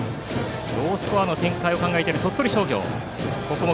ロースコアの展開を考える鳥取商業。